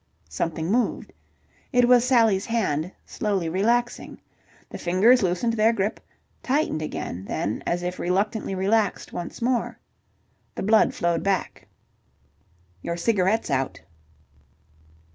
Something moved... It was Sally's hand, slowly relaxing. The fingers loosened their grip, tightened again, then, as if reluctantly relaxed once more. The blood flowed back. "Your cigarette's out."